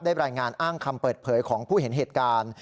รายงานอ้างคำเปิดเผยของผู้เห็นเหตุการณ์